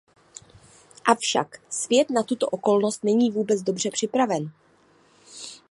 Avšak svět na tuto okolnost není vůbec dobře připraven.